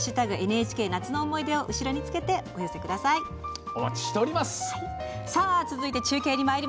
「＃ＮＨＫ夏の思い出」を後ろにつけてお寄せください。